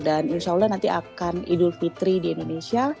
dan insya allah nanti akan idul fitri di indonesia